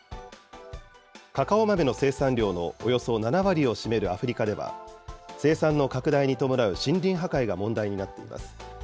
カカオ豆の生産量のおよそ７割を占めるアフリカでは、生産の拡大に伴う森林破壊が問題になっています。